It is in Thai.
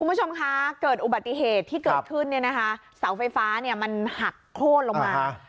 คุณผู้ชมคะเกิดอุบัติเหตุที่เกิดขึ้นสาวไฟฟ้ามันหักโคตรลงมา